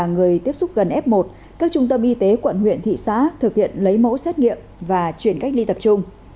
người tiếp xúc gần f một các trung tâm y tế quận huyện thị xã thực hiện lấy mẫu xét nghiệm và chuyển cách ly tập trung